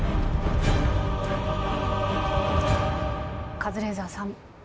カズレーザーさん